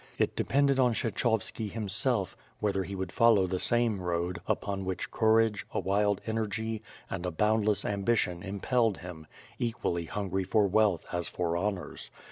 It d('|)en(led on Kshecliovski himself, whether he would fol low the same road, upon which courage, a wild energy, and a boundless aml)ition im|)elled him, equally hungry for wealth as for honors.